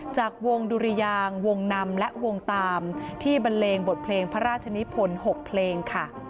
จากวงดุริยางวงนำและวงตามที่บันเลงบทเพลงพระราชนิพล๖เพลงค่ะ